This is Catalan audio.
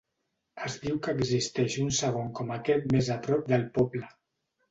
Es diu que existeix un segon com aquest més a prop del poble.